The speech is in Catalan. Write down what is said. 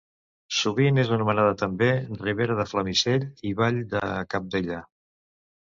Sovint és anomenada també ribera de Flamisell i vall de Cabdella.